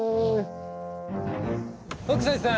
北斎さん